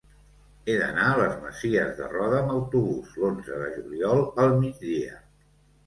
He d'anar a les Masies de Roda amb autobús l'onze de juliol al migdia.